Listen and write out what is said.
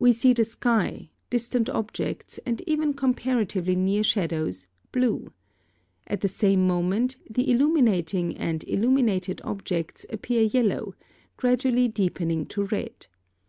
We see the sky, distant objects and even comparatively near shadows, blue. At the same moment, the illuminating and illuminated objects appear yellow, gradually deepening to red.